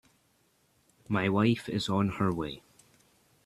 My wife is on her way.